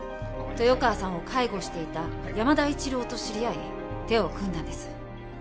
豊川さんを介護していた山田一郎と知り合い手を組んだんです。